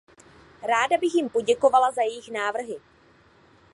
Ráda bych jim poděkovala za jejich návrhy.